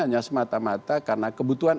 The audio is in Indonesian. hanya semata mata karena kebutuhan